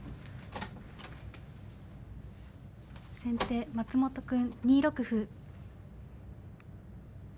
先手松本くん２六歩。